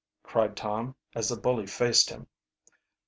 cried Tom, as the bully faced him.